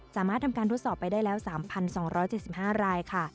สามารถทำการทดสอบไปได้แล้ว๓๒๗๕รายค่ะ